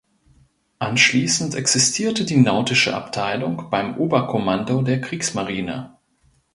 Anschließend existierte die Nautische Abteilung beim Oberkommando der Kriegsmarine.